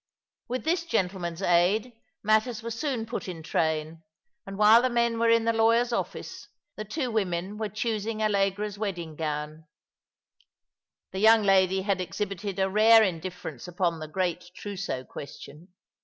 With this gentleman's aid, matters were soon put in train, and while the men were in the lawyer's oflBce, the two women were choosing Allegra's wedding gown. The young lady had exhibited a rare indifference upon the great trousseau question.